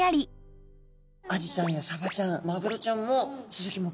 アジちゃんやサバちゃんマグロちゃんもスズキ目ですので。